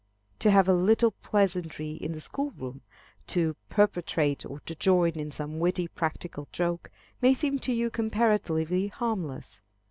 To have a little pleasantry in the school room, to perpetrate or to join in some witty practical joke, may seem to you comparatively harmless.